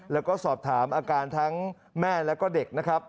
และสอบถามอาการทั้งแม่และเด็ก